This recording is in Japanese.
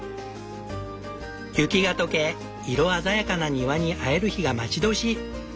雪が解け色鮮やかな庭に会える日が待ち遠しい！